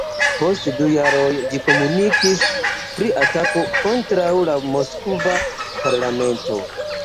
Post du jaroj ĝi komunikis pri atako kontraŭ la moskva parlamento.